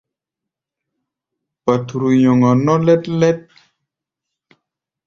Paturu nyɔŋa nɔ́ lɛ́t-lɛ́t.